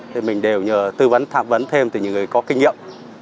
thì mình đều nhờ tư vấn tham vấn thêm từ những người có kinh nghiệm